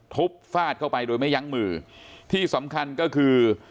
ฟาดเข้าไปโดยไม่ยั้งมือที่สำคัญก็คือ